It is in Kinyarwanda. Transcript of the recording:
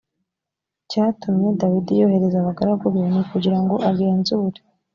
icyatumye dawidi yohereza abagaragu be ni ukugira ngo agenzure